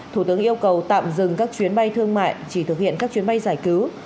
thủ tướng yêu cầu tạm dừng các chuyến bay thương mại chỉ thực hiện các chuyến bay giải cứu